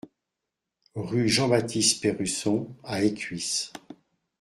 Rue Jean-Baptiste Perrusson à Écuisses